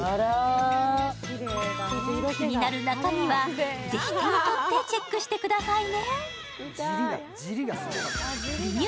気になる中身はぜひお手に取ってチェックしてくださいね。